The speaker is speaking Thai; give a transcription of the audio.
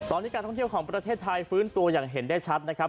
ตอนนี้การท่องเที่ยวของประเทศไทยฟื้นตัวอย่างเห็นได้ชัดนะครับ